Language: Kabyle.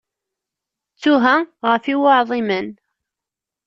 Ttuha ɣef i uɛḍimen.